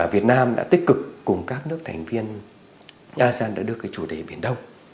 việt nam đã tích cực cùng các nước thành viên asean đã đưa cái chủ đề biển đông